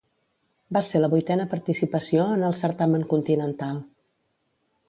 Va ser la vuitena participació en el certamen continental.